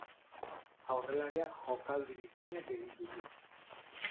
Aurrelariak jokaldi bikainak egin ditu.